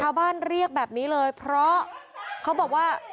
เรียกแบบนี้เลยเพราะเขาบอกว่า